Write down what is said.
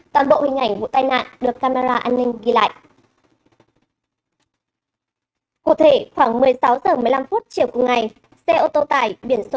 toàn bộ hình ảnh vụ tai nạn được camera an ninh ghi lại